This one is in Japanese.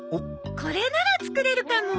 これなら作れるかも！